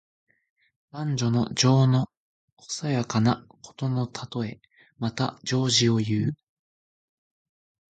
男女の情の細やかなことのたとえ。また、情事をいう。